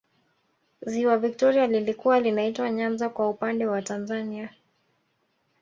ziwa victoria lilikuwa linaitwa nyanza kwa upande wa tanzania